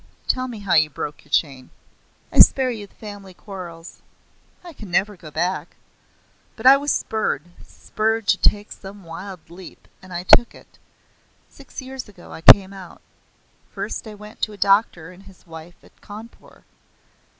Tell me how you broke your chain." "I spare you the family quarrels. I can never go back. But I was spurred spurred to take some wild leap; and I took it. Six years ago I came out. First I went to a doctor and his wife at Cawnpore.